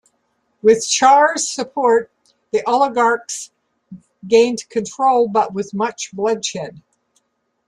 With Chares' support, the oligarchs gained control but with much bloodshed.